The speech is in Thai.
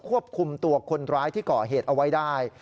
ควบคุมตัวคนร้ายที่ก่อเหตุเอาไว้ได้